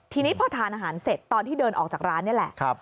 ทีนี้พอทานอาหารเสร็จตอนที่เดินออกจากร้านนี่แหละ